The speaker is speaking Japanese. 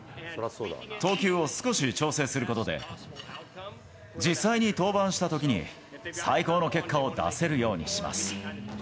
投球を少し調整することで、実際に登板したときに最高の結果を出せるようにします。